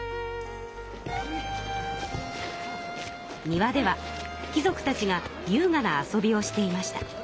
庭では貴族たちがゆうがな遊びをしていました。